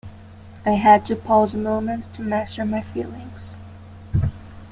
I had to pause a moment to master my feelings.